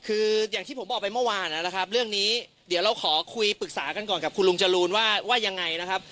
คืออย่างที่ผมบอกไปเมื่อวานนะครับเรื่องนี้เดี๋ยวเราขอคุยปรึกษากันก่อนกับคุณลุงจรูนว่าว่ายังไงนะครับ